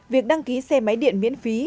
việc đăng ký xe máy điện miễn phí